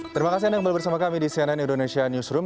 terima kasih anda kembali bersama kami di cnn indonesia newsroom